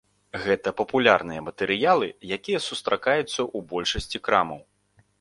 Гэта папулярныя матэрыялы, якія сустракаюцца ў большасці крамаў.